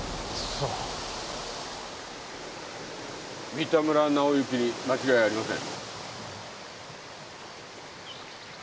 三田村直之に間違いありません。